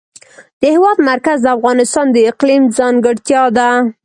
د هېواد مرکز د افغانستان د اقلیم ځانګړتیا ده.